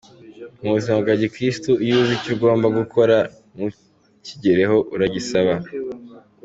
Mu buzima bwa gikristu, iyo uzi icyo ugomba gukora ntukigereho uragisaba.